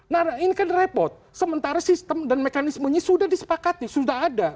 nah ini kan repot sementara sistem dan mekanismenya sudah disepakati sudah ada